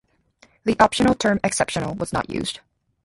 The optional term 'Exceptional' was not used.